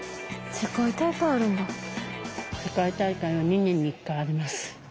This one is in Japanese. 世界大会は２年に一回あります。